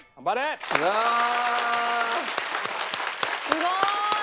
すごーい！